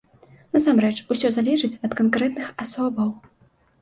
Насамрэч, усё залежыць ад канкрэтных асобаў.